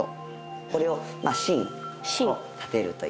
これを「真を立てる」といいます。